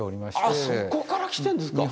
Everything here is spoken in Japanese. あっそこから来てるんですか。